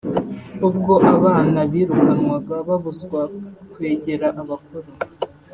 ubwo abana birukanwaga babuzw akwegera abakuru